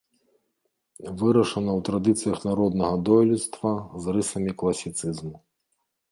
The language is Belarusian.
Вырашана ў традыцыях народнага дойлідства з рысамі класіцызму.